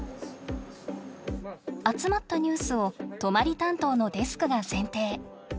集まったニュースを泊まり担当のデスクが選定。